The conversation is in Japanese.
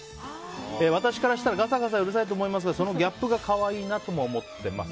私からしたらガサガサうるさいと思いますがそのギャップが可愛いなとも思ってます。